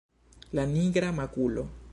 La nigra makulo!